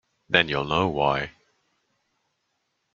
Then you’ll know why.